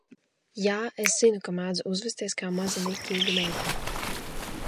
Jā, es zinu, ka mēdzu uzvesties kā maza, niķīga meitene.